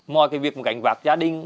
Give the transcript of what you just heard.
mọi cái việc gảnh vạc gia đình